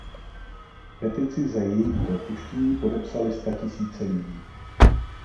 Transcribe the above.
Petici za její propuštění podepsaly statisíce lidí.